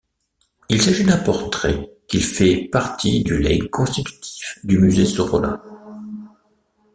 Il s'agit d'un portrait qu'il fait partie du legs constitutif du musée Sorolla.